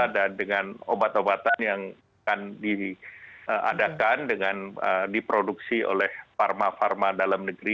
dan dengan obat obatan yang akan diadakan dengan diproduksi oleh pharma pharma dalam negeri